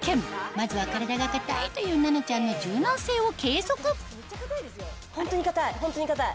まずは体が硬いという奈々ちゃんの柔軟性を計測ホントに硬いホントに硬い。